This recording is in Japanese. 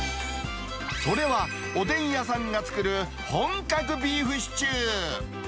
それは、おでん屋さんが作る本格ビーフシチュー。